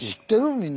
みんな。